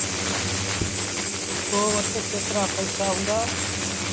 تو وٽ ڪيترآ پئيٚسآ هُݩدآ۔